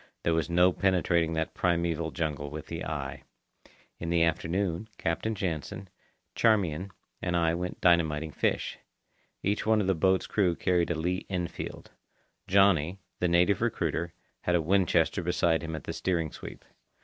There was no penetrating that primeval jungle with the eye. In the afternoon, Captain Jansen, Charmian, and I went dynamiting fish. Each one of the boat's crew carried a Lee Enfield. "Johnny," the native recruiter, had a Winchester beside him at the steering sweep.